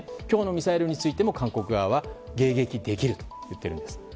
今日のミサイルについても韓国側は迎撃できるとしています。